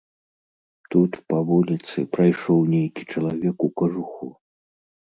Тут па вуліцы прайшоў нейкі чалавек у кажуху.